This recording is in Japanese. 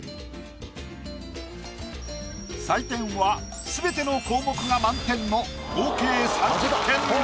採点はすべての項目が満点の合計３０点。